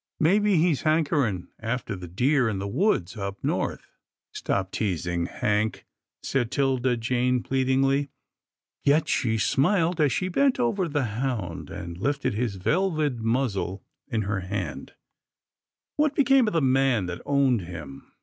Maybe he's hankering after the deer in the woods up north." " Stop teasing, Hank," said 'Tilda Jane plead ingly, yet she smiled as she bent over the hound, and lifted his velvet muzzle in her hand. 26 'TILDA JANE'S ORPHANS " What became of the man that owned him